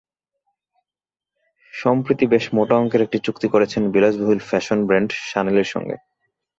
সম্প্রতি বেশ মোটা অঙ্কের একটি চুক্তি করেছেন বিলাসবহুল ফ্যাশন ব্র্যান্ড শানেলের সঙ্গে।